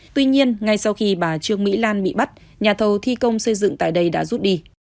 tuy nhiên ngay sau khi bà trương mỹ lan bị bắt nhà thầu thi công xây dựng tại đây đã rút đi